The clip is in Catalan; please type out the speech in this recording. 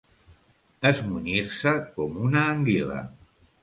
Esmunyir-se com una anguila.